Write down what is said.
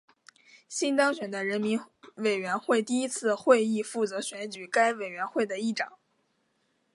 新当选的人民委员会第一次会议负责选举该委员会的议长。